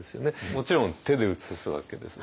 もちろん手で写すわけですし。